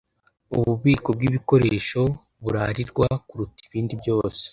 Ububiko bw’ibikoresho burarirwa kuruta ibindi byose